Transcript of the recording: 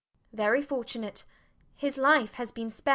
Very fortunate. His life has been spared.